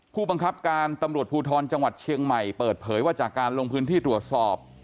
ผู้บังคับการตำรวจภูทรจังหวัดเชียงใหม่เปิดเผยว่าจากการลงพื้นที่ตรวจสอบ